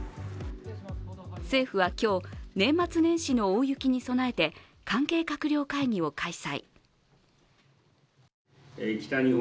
政府は今日、年末年始の大雪に備えて、関係閣僚会議を開催。